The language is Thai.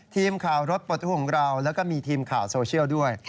ทีมข่าวรถปลดทุกข์ของเราแล้วก็มีทีมข่าวโซเชียลด้วย